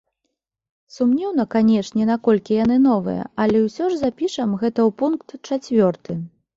Сумнеўна, канешне, наколькі яны новыя, але ўсё ж запішам гэта ў пункт чацвёрты.